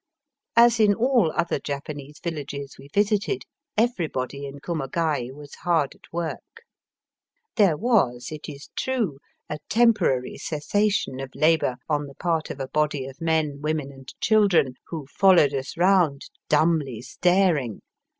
As in all other Japanese villages we visited, everybody in Kumagai was hard at work. There was, it is true, a temporary cessation of labour on the part of a body of men, women, and children who followed us round dumbly staring.